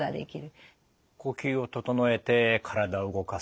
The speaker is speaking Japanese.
呼吸を整えて体を動かす。